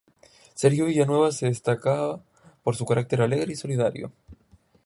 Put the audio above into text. Sergio Villanueva se destacaba por su carácter alegre y solidario.